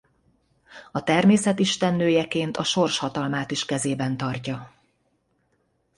A természet istennőjeként a sors hatalmát is kezében tartja.